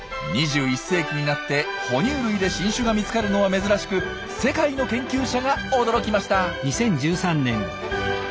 ２１世紀になって哺乳類で新種が見つかるのは珍しく世界の研究者が驚きました。